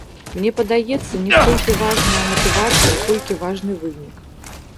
Мне падаецца, не столькі важная матывацыя, колькі важны вынік.